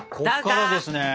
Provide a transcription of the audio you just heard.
こっからですね！